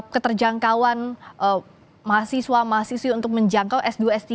keterjangkauan mahasiswa mahasiswi untuk menjangkau s dua s tiga